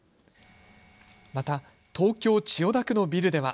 また東京千代田区のビルでは。